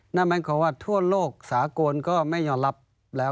นั่นหมายความว่าทั่วโลกสากลก็ไม่ยอมรับแล้ว